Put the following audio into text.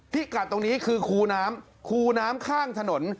กัดตรงนี้คือคูน้ำคูน้ำข้างถนน